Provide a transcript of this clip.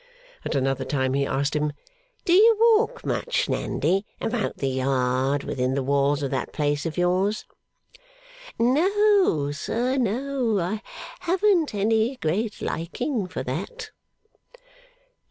') At another time he asked him, 'Do you walk much, Nandy, about the yard within the walls of that place of yours?' 'No, sir; no. I haven't any great liking for that.